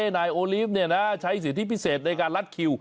นายโอลีฟใช้สิทธิพิเศษในการลัดคิว